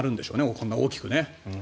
こんな大きくね。